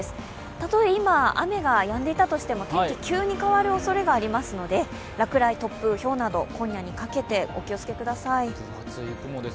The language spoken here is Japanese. たとえ今、雨がやんでいたとしても天気は急に変わるおそれがありますので落雷、突風、ひょうなど今夜にかけてお気を付けください。